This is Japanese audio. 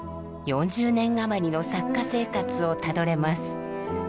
４０年余りの作家生活をたどれます。